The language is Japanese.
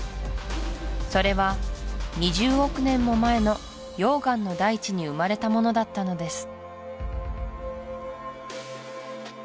それは２０億年も前の溶岩の大地に生まれたものだったのです